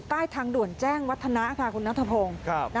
ใต้ทางด่วนแจ้งวัฒนะค่ะคุณนัทพงศ์